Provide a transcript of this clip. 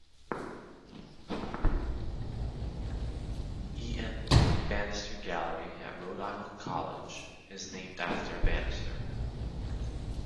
E. M. Bannister Gallery at Rhode Island College is named after Bannister.